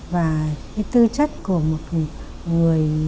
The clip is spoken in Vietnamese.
và cái tư chất của một người